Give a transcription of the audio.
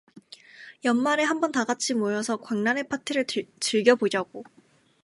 연말에 한 번 다 같이 모여서 광란의 파티를 즐겨보자고.